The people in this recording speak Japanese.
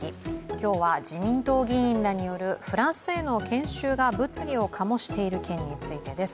今日は自民党議員らによるフランスへの研修が物議を醸している件についてです。